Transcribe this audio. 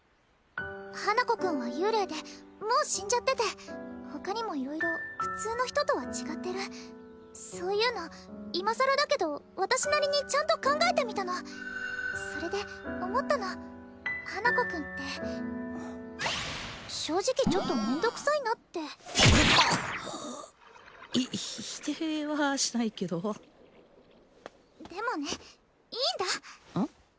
花子くんは幽霊でもう死んじゃってて他にも色々普通の人とは違ってるそういうの今さらだけど私なりにちゃんと考えてみたのそれで思ったの花子くんって正直ちょっと面倒くさいなってひ否定はしないけどでもねいいんだうん？